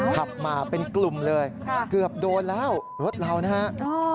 ขับมาเป็นกลุ่มเลยเกือบโดนแล้วรถเรานะฮะ